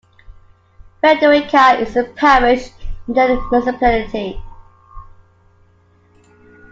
Fredrika is a parish in the municipality.